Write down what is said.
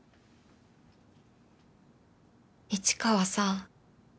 市川さん